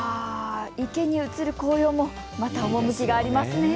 池に映る紅葉もまた趣がありますね。